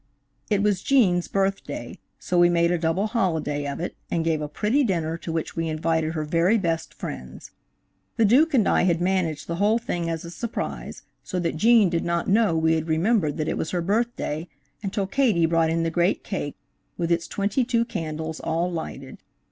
It was Gene's birthday, so we made a double holiday of it, and gave a pretty dinner to which we invited her very best friends. The Duke and I had managed the whole thing as a surprise, so that Gene did not know we had remembered that it was her birthday until Katie brought in the great cake, with its twenty two candles all lighted.